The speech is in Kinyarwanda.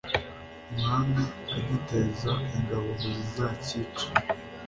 Umwami agiteza ingabo ngo zizacyice.